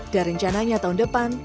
dan rencananya tahun depan